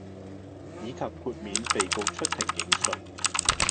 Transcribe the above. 以及豁免被告出庭應訊